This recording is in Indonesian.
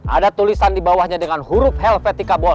ada tulisan di bawahnya dengan huruf helvetica bold